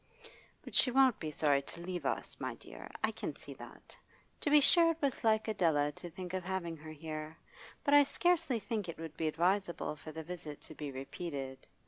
'But she won't be sorry to leave us, my dear, I can see that. To be sure it was like Adela to think of having her here, but I scarcely think it would be advisable for the visit to be repeated.